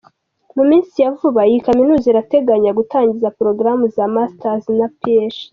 Mu minsi ya vuba, iyi Kaminuza irateganya gutangiza progaramu za Masters na Ph.